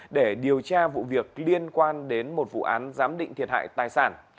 để điều tra vụ việc liên quan đến một vụ án giám định thiệt hại tài sản